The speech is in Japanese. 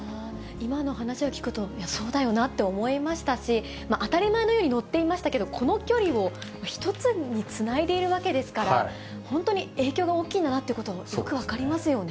今の話を聞くと、いや、そうだよなと思いましたし、当たり前のように乗っていましたけど、この距離を一つにつないでいるわけですから、本当に影響が大きいんだなということがよく分かりますよね。